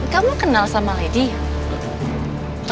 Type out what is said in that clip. kamu kenal sama lady